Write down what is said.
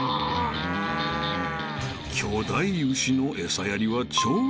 ［巨大牛の餌やりは超至近距離］